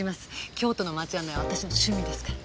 京都の街案内は私の趣味ですから。